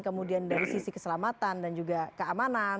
kemudian dari sisi keselamatan dan juga keamanan